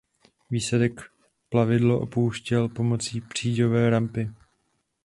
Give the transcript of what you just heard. Výsadek plavidlo opouštěl pomocí příďové rampy.